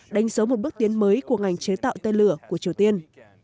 đánh dấu một bước tiến mới của ngành chế tạo tên lửa của triều tiên